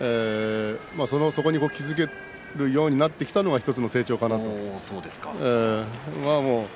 そこに気付けるようになってきたのは１つの成長かなと思います。